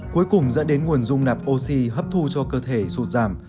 cuối cùng dẫn đến nguồn dung nạp oxy hấp thu cho cơ thể sụt giảm